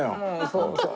そうそう。